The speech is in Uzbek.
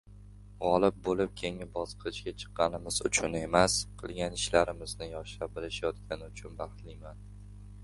Gʻolib boʻlib keyingi bosqichga chiqqanimiz uchun emas, qilgan ishlarimizni yoshlar bilishayotgani uchun baxtliman..